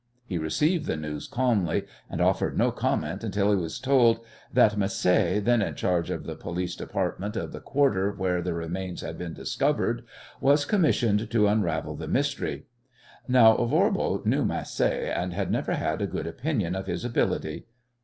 He received the news calmly, and offered no comment until he was told that Macé, then in charge of the police department of the quarter where the remains had been discovered, was commissioned to unravel the mystery. Now Voirbo knew Macé, and had never had a good opinion of his ability.